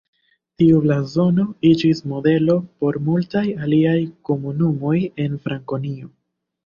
Tiu blazono iĝis modelo por multaj aliaj komunumoj en Frankonio.